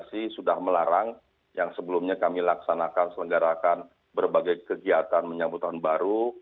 kami sudah melarang yang sebelumnya kami laksanakan selenggarakan berbagai kegiatan menyambut tahun baru